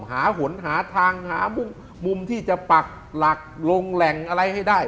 หนหาทางหามุมที่จะปักหลักลงแหล่งอะไรให้ได้